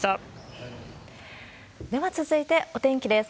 では続いて、お天気です。